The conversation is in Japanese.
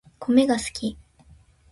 コメが好き